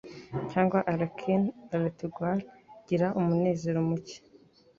cyangwa Arachne la toile gira umunezero muke